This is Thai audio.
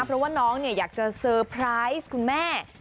เพราะว่าน้องอยากจะเซอร์ไพรส์คุณแม่